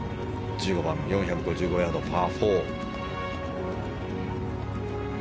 １５番、４５５ヤード、パー４。